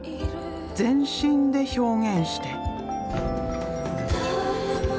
全身で表現して。